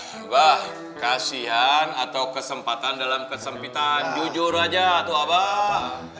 abah kasihan atau kesempatan dalam kesempitan jujur aja tuh abah